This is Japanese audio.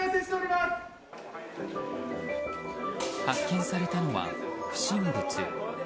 発見されたのは不審物。